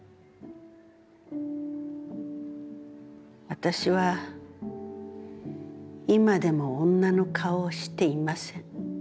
私は今でも、女の顔をしていません。